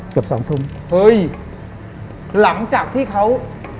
เกือบสองทุ่มเฮ้ยหลังจากที่เขา